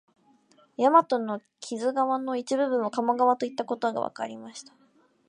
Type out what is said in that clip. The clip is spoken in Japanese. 大和の木津川の一部分を鴨川といったことがわかりました